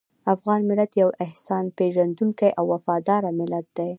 افغان ملت یو احسان پېژندونکی او وفاداره ملت دی.